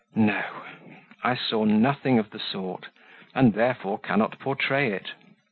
No: I saw nothing of the sort, and therefore cannot portray it.